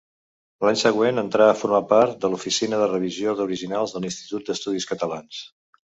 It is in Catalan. L'any següent entrà a formar part de l'oficina de revisió d'originals de l'Institut d'Estudis Catalans.